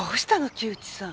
木内さん。